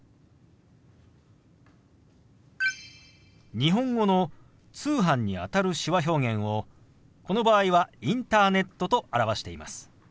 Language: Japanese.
日本語の「通販」にあたる手話表現をこの場合は「インターネット」と表しています。